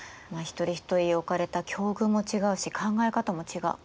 一人一人置かれた境遇も違うし考え方も違う。